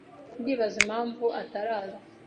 Ndibaza impamvu ataraza.